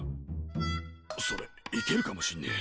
それいけるかもしんねえおもしろい！